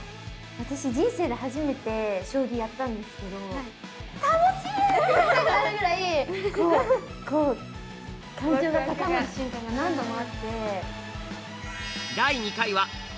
私人生で初めて将棋やったんですけど。って言いたくなるぐらいこうこう感情が高まる瞬間が何度もあって。